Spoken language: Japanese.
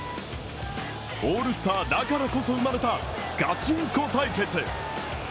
オールスターだからこそ生まれたガチンコ対決。